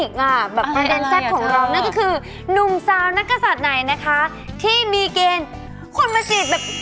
คนมาจีบแบบหัวกระดายเบาร์